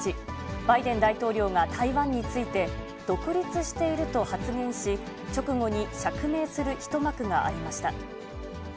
バイデン大統領が台湾について、独立していると発言し、直後に釈明する一幕がありました。